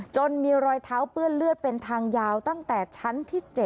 มีรอยเท้าเปื้อนเลือดเป็นทางยาวตั้งแต่ชั้นที่๗